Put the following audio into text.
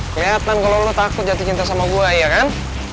kelihatan kalau lo takut jatuh cinta sama gue ya kan